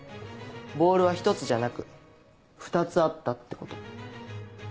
ボールは１つじゃなく２つあったってこと。